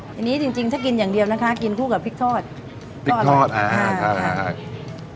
อันนี้จริงถ้ากินอย่างเดียวนะคะกินคู่กับพริกทอดพริกทอดอ่าค่ะค่ะ